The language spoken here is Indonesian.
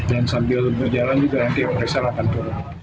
dan sambil berjalan juga nanti appraisal akan berlaku